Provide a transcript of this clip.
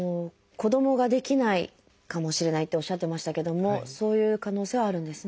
子どもが出来ないかもしれないっておっしゃってましたけどもそういう可能性はあるんですね。